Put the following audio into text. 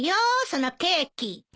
そのケーキ。